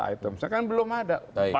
itu kan belum ada